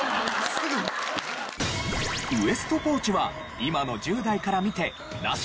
ウエストポーチは今の１０代から見てナシ？